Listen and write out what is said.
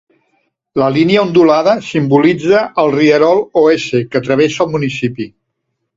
La línia ondulada simbolitza el rierol Oese que travessa el municipi.